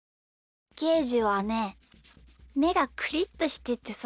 ゲージはねめがクリッとしててさ。